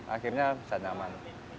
akhirnya bisa nyaman